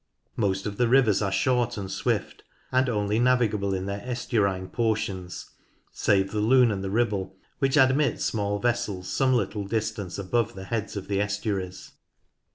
Most of the rivers are short and swift, and only 12 NORTH LANCASHIRE navigable in their estuarine portions, save the Lune and Ribble, which admit small vessels some little distance above the heads of the estuaries.